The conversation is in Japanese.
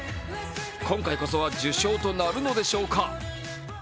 今回こそは受賞となるのでしょうか？